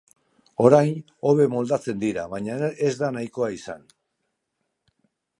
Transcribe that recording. Orain hobe moldatzen dira, baina ez da nahikoa izan.